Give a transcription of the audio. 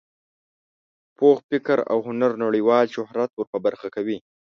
پوخ فکر او هنر نړیوال شهرت ور په برخه کوي.